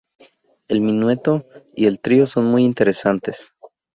El minueto y el trío son muy interesantes.